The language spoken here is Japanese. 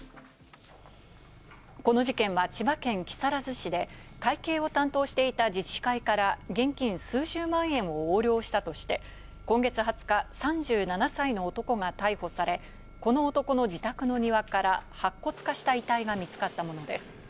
この事件は千葉県木更津市で会計を担当していた自治会から現金数十万円を横領したとして、今月２０日、３７歳の男が逮捕され、この男の自宅の庭から白骨化した遺体が見つかったものです。